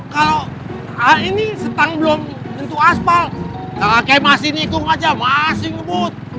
kalau ini setang belum bentuk aspal kayak masih nikung aja masih ngebut